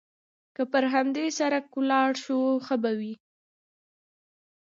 که پر همدې سړک ولاړ شو، ښه به وي.